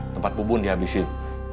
tempat bubun dihabisin